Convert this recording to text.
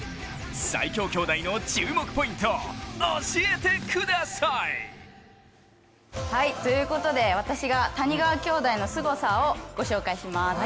最強兄弟の注目ポイント教えてください！ということで私が谷川兄弟のすごさをご紹介します。